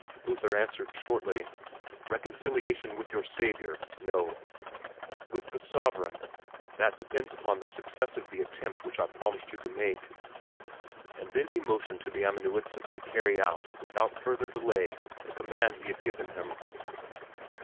Luther answered shortly, "Reconciliation with your Savior no! With the sovereign that depends upon the success of the attempt which I promised you to make." And then he motioned to the amanuensis to carry out, without further delay, the command he had given him.